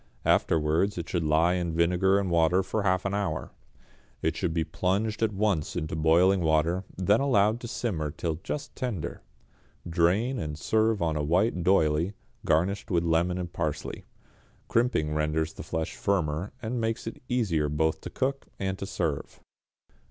Afterwards it should lie in vinegar and water for half an hour. It should be plunged at once into boiling water, then allowed to simmer till just tender. Drain, and serve on a white d'oyley, garnished with lemon and parsley. Crimping renders the flesh firmer, and makes it easier both to cook and to serve.